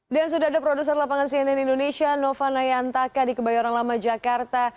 dan sudah ada produser lapangan cnn indonesia nova nayantaka di kebayoran lama jakarta